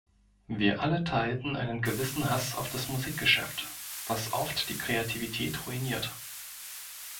Wir alle teilten einen gewissen Hass auf das Musikgeschäft, was oft die Kreativität ruiniert.